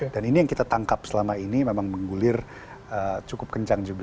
dan ini yang kita tangkap selama ini memang menggulir cukup kencang juga